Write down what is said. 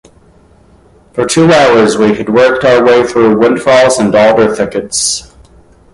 For two hours we had worked our way through windfalls and alder thickets.